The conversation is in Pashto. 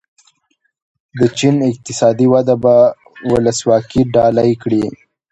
د چین اقتصادي وده به ولسواکي ډالۍ کړي.